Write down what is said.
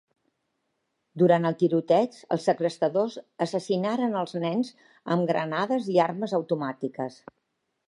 Durant el tiroteig, els segrestadors assassinaren els nens amb granades i armes automàtiques.